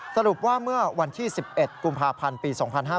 สรุปว่าเมื่อวันที่๑๑กุมภาพันธ์ปี๒๕๕๙